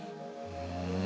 うん。